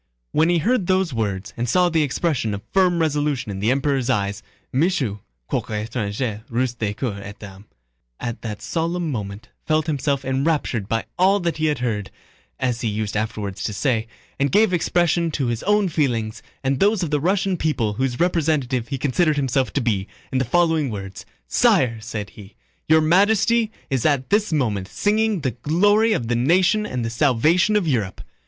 When he heard these words and saw the expression of firm resolution in the Emperor's eyes, Michaud—quoique étranger, russe de cœur et d'âme,—at that solemn moment felt himself enraptured by all that he had heard (as he used afterwards to say), and gave expression to his own feelings and those of the Russian people whose representative he considered himself to be, in the following words: "Sire!" said he, "Your Majesty is at this moment signing the glory of the nation and the salvation of Europe!"